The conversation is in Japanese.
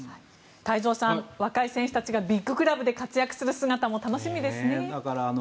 太蔵さん、若い選手たちがビッグクラブで活躍する姿も楽しみですね。